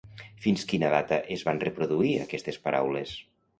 Fins quina data es van reproduir aquestes paraules?